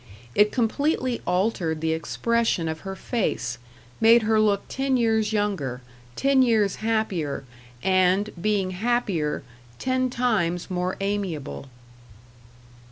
It completely altered the expression of her face; made her look ten years younger ten years happier, and, being happier, ten times more amiable.